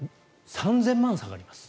３０００万下がります。